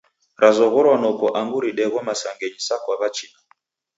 Razoghorwa noko angu ridegho masangenyi sa kwa w'achina.